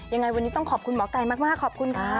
ยังไงวันนี้ต้องขอบคุณหมอไก่มากขอบคุณค่ะ